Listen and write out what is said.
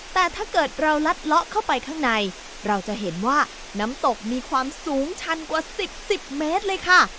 แต่ถ้าเกิดเราลัดเลาะเข้าไปข้างในเราจะเห็นว่าน้ำตกมีความสูงชันกว่า๑๐๑๐เมตรเลยค่ะ